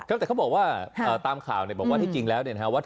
ครับแต่เขาบอกว่าตามข่าวบอกว่าที่จริงแล้วเนี่ยนะฮะ